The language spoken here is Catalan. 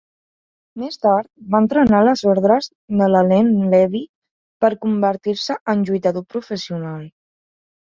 Més tard, va entrenar a les ordres de Len Levy per convertir-se en lluitador professional.